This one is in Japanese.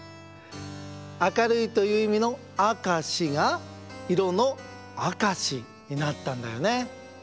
明るいといういみの明しがいろの「赤し」になったんだよね。